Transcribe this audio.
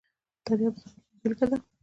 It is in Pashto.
تاریخ د ځانونو بېلګه ده.